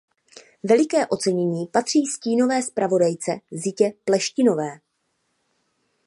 Veliké ocenění patří stínové zpravodajce Zitě Pleštinské.